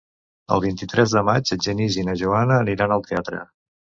El vint-i-tres de maig en Genís i na Joana aniran al teatre.